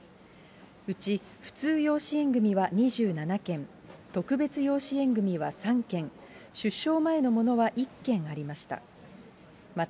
うち普通養子縁組みは２７件、特別養子縁組みは３件、出生前のものは１件ありました。